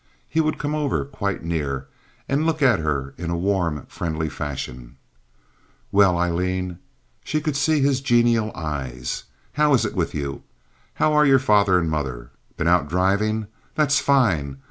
He would come over quite near and look at her in a warm friendly fashion. "Well, Aileen"—she could see his genial eyes—"how is it with you? How are your father and mother? Been out driving? That's fine.